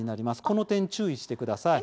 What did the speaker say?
この点注意してください。